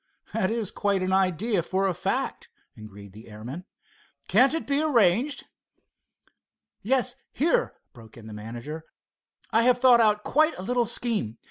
"That is quite an idea for a fact," agreed the airman. "Can't it be arranged?" "Yes, here," broke in the manager. "I have thought out quite a little scheme.